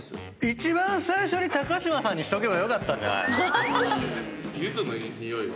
一番最初に嶋さんにしとけばよかったんじゃないの？